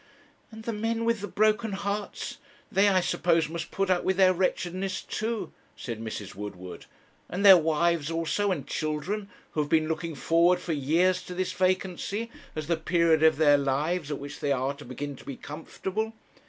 'And the men with the broken hearts; they, I suppose, must put up with their wretchedness too,' said Mrs. Woodward; 'and their wives, also, and children, who have been looking forward for years to this vacancy as the period of their lives at which they are to begin to be comfortable.